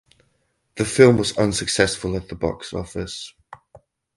The film was unsuccessful at the box office.